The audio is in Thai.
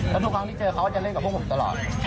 แล้วทุกครั้งที่เจอเขาจะเล่นกับพวกผมตลอด